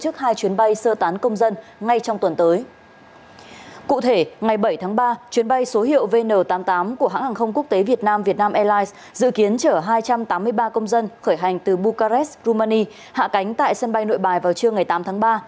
chuyến bay số hiệu vn tám mươi tám của hãng hàng không quốc tế việt nam vietnam airlines dự kiến chở hai trăm tám mươi ba công dân khởi hành từ bucharest romania hạ cánh tại sân bay nội bài vào trưa ngày tám tháng ba